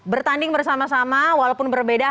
bertanding bersama sama walaupun berbeda